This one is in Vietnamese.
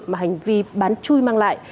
mà hành vi bán chui mang lại